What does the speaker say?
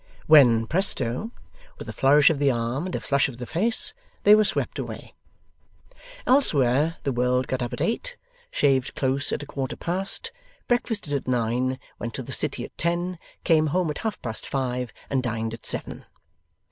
when, PRESTO! with a flourish of the arm, and a flush of the face, they were swept away. Elsewise, the world got up at eight, shaved close at a quarter past, breakfasted at nine, went to the City at ten, came home at half past five, and dined at seven.